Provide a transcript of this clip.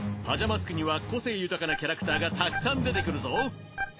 パジャマスクには個性豊かなキャラクターがたくさん出てくるぞ。